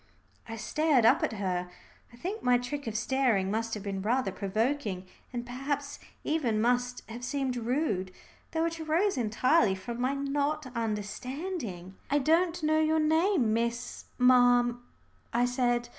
I stared up at her. I think my trick of staring must have been rather provoking, and perhaps even must have seemed rude, though it arose entirely from my not understanding. "I don't know your name, Miss ma'am," I said.